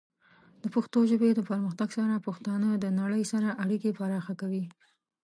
د پښتو ژبې د پرمختګ سره، پښتانه د نړۍ سره اړیکې پراخه کوي.